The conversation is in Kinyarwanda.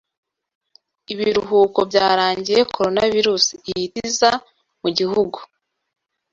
Ibiruhuko byarangiye Coronavirus ihita iza mu gihugu